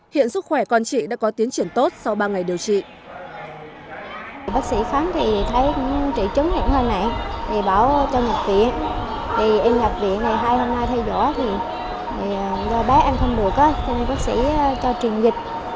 hiện sức khỏe con chị đã có tiến triển tốt sau ba ngày điều trị